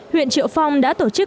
huyện triệu phong đã tổ chức